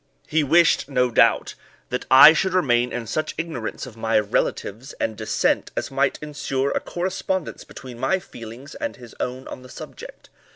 He wished, no doubt, that I should remain in such ignorance of my relatives and descent as might insure a correspondence between my feelings and his own on this subject.